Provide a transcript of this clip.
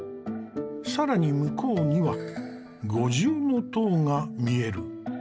更に向こうには五重塔が見える。